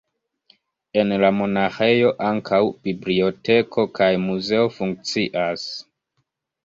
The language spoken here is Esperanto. En la monaĥejo ankaŭ biblioteko kaj muzeo funkcias.